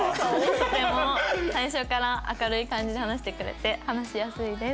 とても最初から明るい感じで話してくれて話しやすいです。